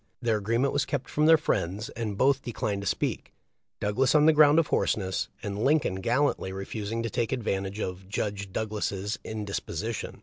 Their agree ment was kept from their friends, and both declined to speak — Douglas, on the ground of hoarseness, and Lincoln gallantly refusing to take advantage of "Judge Douglas's indisposition."